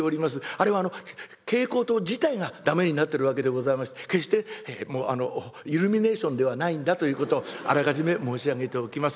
あれは蛍光灯自体が駄目になっているわけでございまして決してイルミネーションではないんだということをあらかじめ申し上げておきます。